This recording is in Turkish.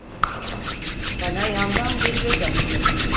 Bana yandan bir göz attı.